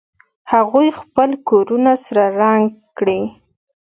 هغوی خپل کورونه سره رنګ کړي